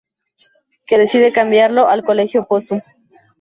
Que decide cambiarlo al Colegio Possum.